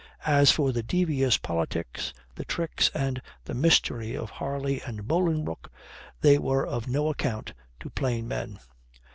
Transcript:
As for the devious politics, the tricks, and the mystery of Harley and Bolingbroke, they were of no account to plain men.